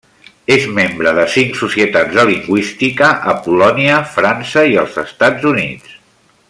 És membre de cinc societats de lingüística a Polònia, França i als Estats Units.